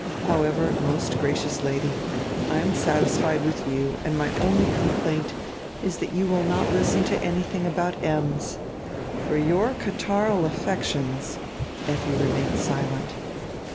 However, most gracious Lady, I am satisfied with you and my only complaint is diat you will not listen to anything about Ems. For your catarrhal affections —" Effi remained silent.